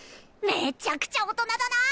めちゃくちゃ大人だな！